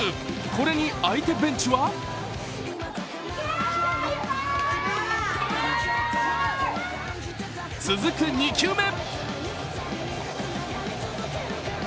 これに相手ベンチは続く２球目。